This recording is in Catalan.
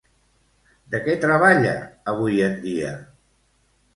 De què treballa avui en dia?